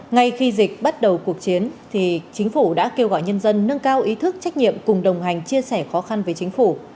ngay khi dịch bắt đầu cuộc chiến thì chính phủ đã kêu gọi nhân dân nâng cao ý thức trách nhiệm cùng đồng hành chia sẻ khó khăn với chính phủ